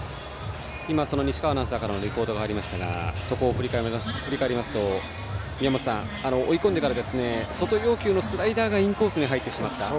西川アナウンサーからのリポートがありましたがそこを振り返りますと宮本さん、追い込んでから外要求のスライダーがインコースに入ってしまった。